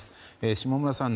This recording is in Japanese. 下村さん